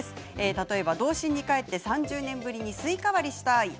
例えば童心に返って３０年ぶりにスイカ割りをしたい。